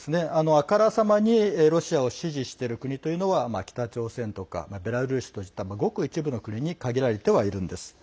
あからさまにロシアを支持している国というのは北朝鮮とかベラルーシといったごく一部の国に限られているんです。